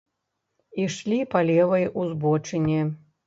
Ішлі па левай узбочыне.